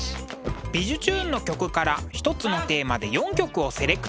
「びじゅチューン！」の曲から一つのテーマで４曲をセレクト。